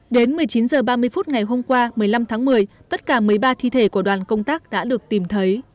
đến một mươi chín h ba mươi phút ngày hôm qua một mươi năm tháng một mươi tất cả một mươi ba thi thể của đoàn công tác đã được tìm thấy